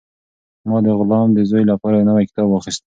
ما د غلام د زوی لپاره یو نوی کتاب واخیست.